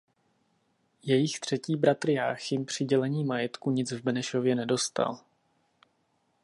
Jejich třetí bratr Jáchym při dělení majetku nic v Benešově nedostal.